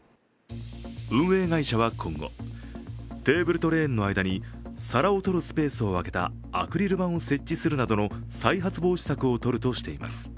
運営会社は今後、テーブルとレーンの間に皿を取るスペースをあけたアクリル板を設置するなどの再発防止策をとるとしています。